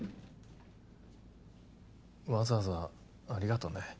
わざわざありがとうね。